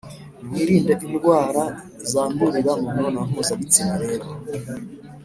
Nimwirinde indwara zandurira mu mibonano mpuzabitsina rero,